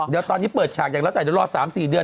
เดี๋ยวตอนนี้เปิดฉากอย่างน้อยแต่จะรอ๓๔เดือน